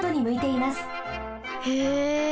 へえ。